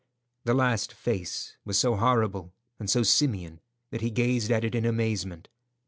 The last face was so horrible and so simian that he gazed at it in amazement.